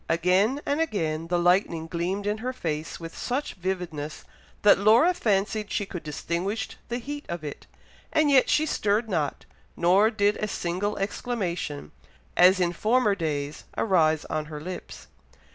Again and again the lightning gleamed in her face with such vividness, that Laura fancied she could distinguish the heat of it, and yet she stirred not, nor did a single exclamation, as in former days, arise on her lips.